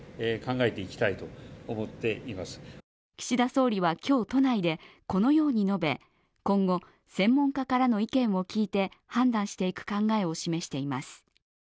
岸田総理は今日、都内でこのように述べ、今後、専門家からの意見を聞いて判断していく考えを示しています。